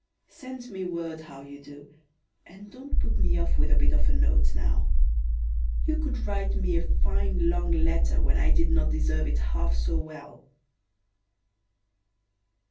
Send me word how you do, and don't put me off with a bit of a note now; you could write me a fine long letter when I did not deserve it half so well.